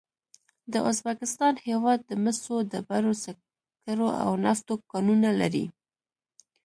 د ازبکستان هېواد د مسو، ډبرو سکرو او نفتو کانونه لري.